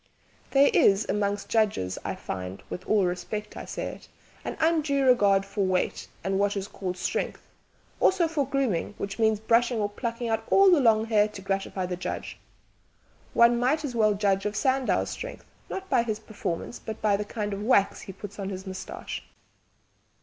"There is among judges, I find with all respect I say it an undue regard for weight and what is called strength, also for grooming, which means brushing or plucking out all the long hair to gratify the judge. One might as well judge of Sandow's strength, not by his performances, but by the kind of wax he puts on his moustache!